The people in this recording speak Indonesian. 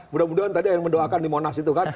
mudah mudahan tadi yang mendoakan di monas itu kan